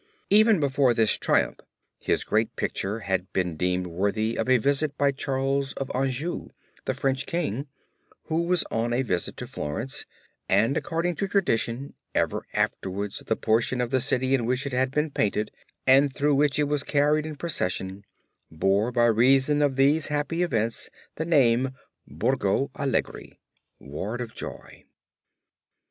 Even before this triumph his great picture had been deemed worthy of a visit by Charles of Anjou, the French King, who was on a visit to Florence and according to tradition ever afterwards the portion of the city in which it had been painted and through which it was carried in procession, bore by reason of these happy events the name Borgo Allegri Ward of Joy.